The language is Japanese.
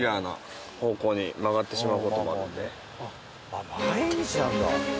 あっ毎日なんだ。